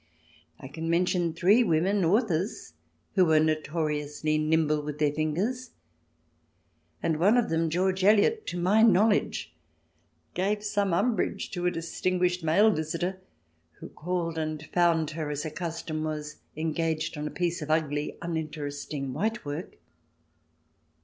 I can mention three women, authors, who were notoriously nimble with their fingers, and one of them, George Eliot, to my knowledge, gave some umbrage to a distinguished male visitor, who called and found her, as her custom was, engaged on a piece of ugly, uninteresting white work.